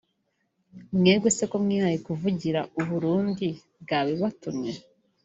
Mwebwe se ko mwihaye kuvugira u Burundi bwabibatumye